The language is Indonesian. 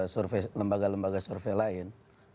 survei lembaga lembaga survei lain